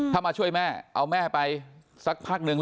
ถ้ามาช่วยแม่เอาแม่ไปสักพักหนึ่ง